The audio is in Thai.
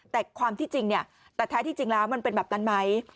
แต่ความที่จริงเนี่ยแต่แท้ที่จริงแล้วมันเป็นแบบนั้นไหม